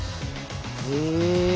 へえ。